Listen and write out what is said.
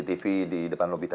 kamu adalah ananda